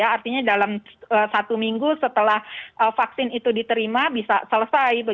artinya dalam satu minggu setelah vaksin itu diterima bisa selesai